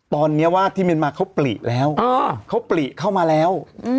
ตอนนี้ว่าที่เมียนมาเขาปลีแล้วเขาปลีเข้ามาแล้ว